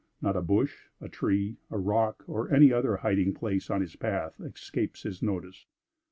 Not a bush, a tree, a rock, or any other hiding place on his path, escapes his notice.